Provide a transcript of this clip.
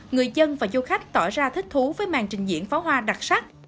người dân và du khách tỏ ra thích thú với màn trình diễn pháo hoa đặc sắc